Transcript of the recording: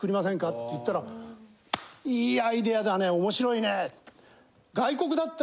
って言ったら「いいアイデアだね面白いね」。